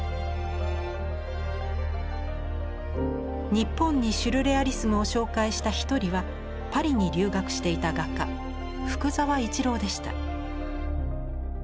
日本にシュルレアリスムを紹介した一人はパリに留学していた画家福沢一郎でした。